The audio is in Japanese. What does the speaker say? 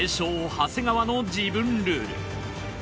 長谷川の自分ルール。